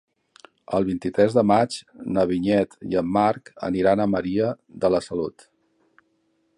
El vint-i-tres de maig na Vinyet i en Marc aniran a Maria de la Salut.